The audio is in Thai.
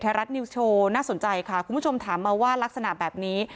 รัฐนิวสโชว์น่าสนใจค่ะคุณผู้ชมถามมาว่ารักษณะแบบนี้